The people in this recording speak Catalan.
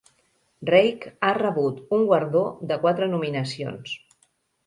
Reik ha rebut un guardó de quatre nominacions.